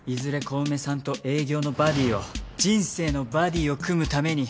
小梅さんと営業のバディーを人生のバディーを組むために。